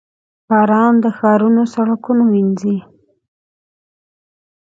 • باران د ښارونو سړکونه مینځي.